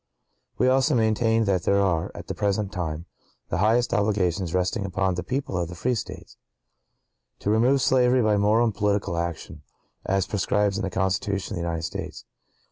(¶ 32) We also maintain that there are, at the present time, the highest obligations resting upon the people of the free States, to remove slavery by moral and political action, as prescribed in the Constitution of the United States.